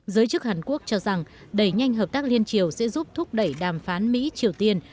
giới chức hàn quốc cho rằng đẩy nhanh hợp tác liên triều sẽ giúp thúc đẩy đàm phán mỹ triều tiên